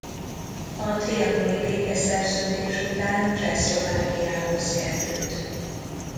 A trianoni békeszerződés után Csehszlovákiához került.